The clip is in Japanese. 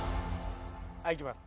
はいいきます。